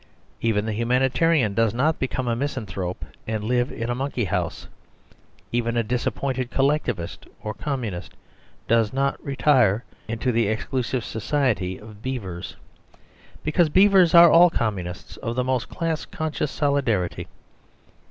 Even the humanitarian does not become a misanthrope and live in a monkey house. Even a disappointed CoUectivist or Communist does not retire into the exclusive society of beavers, because beavers are all com munists of the most class conscious solidarity.